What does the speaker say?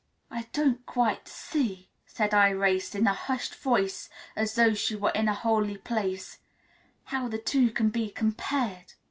"I don't quite see," said Irais in a hushed voice, as though she were in a holy place, "how the two can be compared."